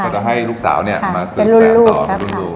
จะให้ลูกสาวเนี่ยมาสื่อสารต่อเป็นรุ่น